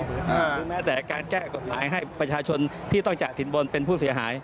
หรือแม้แต่การแก้กฎหมายให้ประชาชนที่ต้องจัดสินบนเป็นผู้เสียหาย